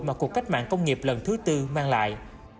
mà cuộc cách mạng công nghiệp lần thứ tư mang lại